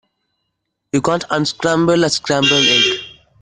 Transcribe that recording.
You can't unscramble a scrambled egg.